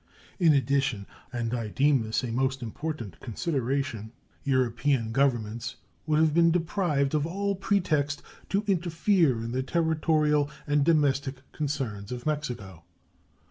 In addition and I deem this a most important consideration European Governments would have been deprived of all pretext to interfere in the territorial and domestic concerns of Mexico.